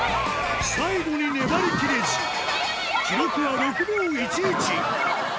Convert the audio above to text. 最後に粘りきれず記録は６秒１１